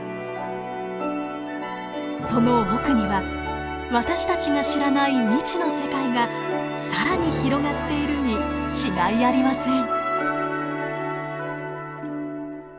その奥には私たちが知らない未知の世界が更に広がっているに違いありません。